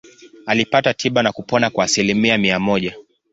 Alipata tiba na kupona kwa asilimia mia moja.